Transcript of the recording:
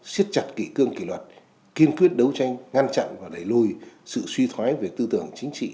xiết chặt kỷ cương kỷ luật kiên quyết đấu tranh ngăn chặn và đẩy lùi sự suy thoái về tư tưởng chính trị